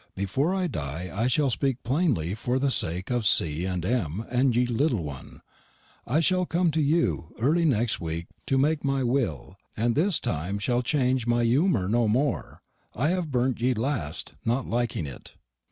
Before I die I shal speek planely for the saik of C. and M. and ye little one. I shal cum to U. erly nex weak to make my Wille, and this time shal chainge my umour no more. I have burnt ye laste, not likeing it."